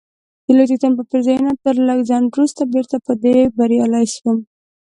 د لوی څښتن په پېرزوینه تر لږ ځنډ وروسته بیرته په دې بریالی سوم،